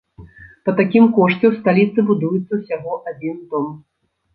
Па такім кошце ў сталіцы будуецца ўсяго адзін дом.